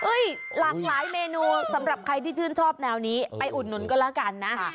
หลากหลายเมนูสำหรับใครที่ชื่นชอบแนวนี้ไปอุดหนุนก็แล้วกันนะ